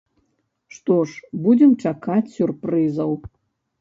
Што ж, будзем чакаць сюрпрызаў.